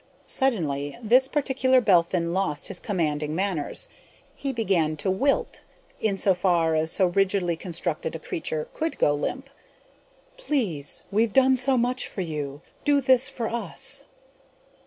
Suddenly this particular Belphin lost his commanding manners. He began to wilt, insofar as so rigidly constructed a creature could go limp. "Please, we've done so much for you. Do this for us."